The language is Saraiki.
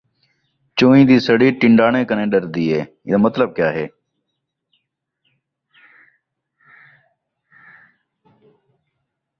چوئیں دی سڑی ٹن٘ڈاݨے کنوں ݙردی ہے